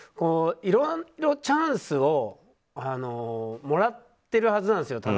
いろいろ、チャンスをもらってるはずなんですよ